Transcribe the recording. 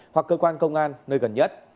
hoặc cơ quan công an nơi gần nhất